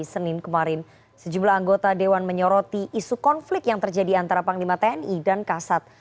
senin kemarin sejumlah anggota dewan menyoroti isu konflik yang terjadi antara panglima tni dan kasat